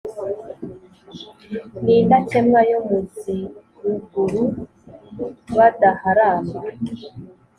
Ni indakemwa yo muz’ iruguru badaharamba,